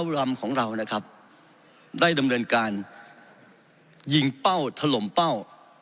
รำของเรานะครับได้ดำเนินการยิงเป้าถล่มเป้า